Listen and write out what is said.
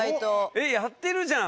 えっやってるじゃん。